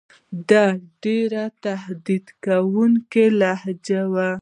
دا ډېره تهدیدوونکې لهجه وه.